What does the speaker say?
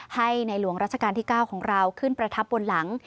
ให้ในหลวงราชการที่๙ของเราขึ้นประทับบนหลัง